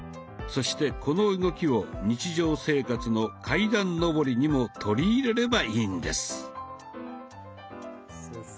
そしてこの動きを日常生活の階段上りにも取り入れればいいんです。